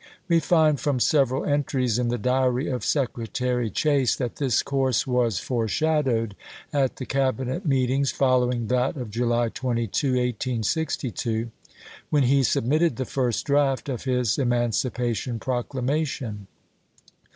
We find from several entries in the diary of Secretary Chase that this course was fore shadowed at the Cabinet meetings following that of July 22, 1862, when he submitted the first draft of his emancipation proclamation.